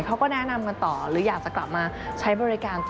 เขาก็แนะนำกันต่อหรืออยากจะกลับมาใช้บริการต่อ